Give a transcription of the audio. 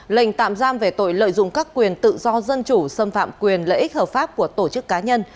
lệnh tạm giam về tội lợi dụng các quyền tự do dân chủ xâm phạm quyền lợi ích hợp pháp của tổ chức cá nhân